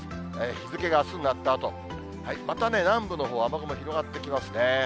日付があすになったあと、またね、南部のほう、雨雲広がってきますね。